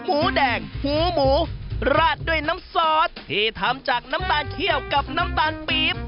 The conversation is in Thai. หมูแดงหูหมูราดด้วยน้ำซอสที่ทำจากน้ำตาลเขี้ยวกับน้ำตาลปี๊บ